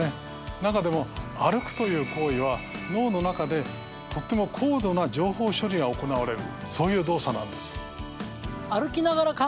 なかでも歩くという行為は脳の中でとっても高度な情報処理が行われるそういう動作なんです。